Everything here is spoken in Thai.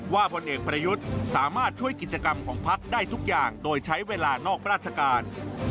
พลเอกประยุทธ์สามารถช่วยกิจกรรมของพักได้ทุกอย่างโดยใช้เวลานอกราชการ